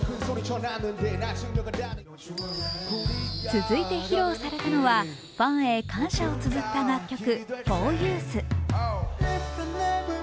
続いて披露されたのはファンへ感謝をつづった楽曲「ＦｏｒＹｏｕｔｈ」。